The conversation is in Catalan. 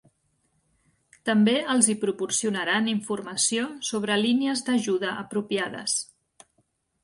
També els hi proporcionaran informació sobre línies d'ajuda apropiades.